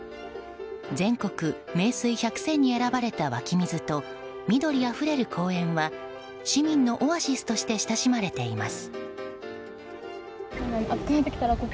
全国名水百選に選ばれた湧き水と緑あふれる公園は市民のオアシスとして親しまれています。